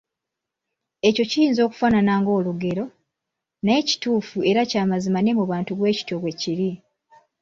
Ekyo kiyinza okufaanana ng'olugero, naye kituufu era kya mazima ne mu bantu bwe kityo bwe kiri.